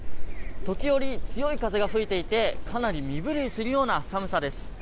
時折強い風が吹いていてかなり身震いするような寒さです。